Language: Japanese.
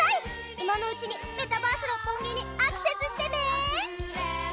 今のうちにメタバース六本木にアクセスしてね！